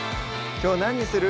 きょう何にする？